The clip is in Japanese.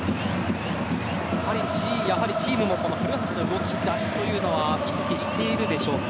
やはりチームも古橋の動き出しというのは意識しているでしょうか？